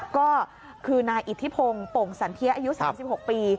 ก็คือนายอิทธิพงศ์โป่งสันเทียอายุ๓๖ปี